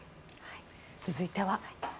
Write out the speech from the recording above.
続いては。